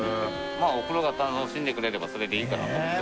まぁおふくろが楽しんでくれればそれでいいかなと思って。